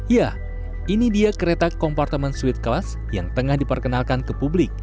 ya ini dia kereta kompartemen suite class yang tengah diperkenalkan ke publik